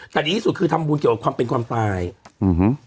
แต่ดีที่สุดคือทำบุญเกี่ยวกับความเป็นความตายอืม